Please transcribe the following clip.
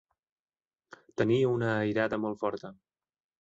Tenir una airada molt forta.